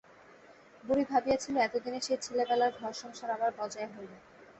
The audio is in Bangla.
বুড়ি ভাবিয়াছিল এতদিনে সেই ছেলেবেলার ঘর-সংসার আবার বজায় হইল।